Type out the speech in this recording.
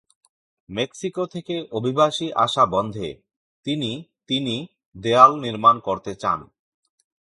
Mexico থেকে অভীবাসী আসা বন্ধে তিনি তিনি দেয়াল নির্মাণ করতে চান।